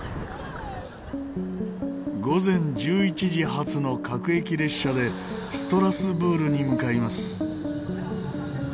午前１１時発の各駅列車でストラスブールに向かいます。